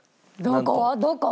どこ？